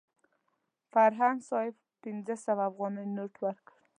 فرهنګ صاحب پنځه سوه افغانیو نوټ ورکړ.